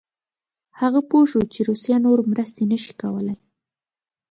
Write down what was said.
هغه پوه شو چې روسیه نور مرستې نه شي کولای.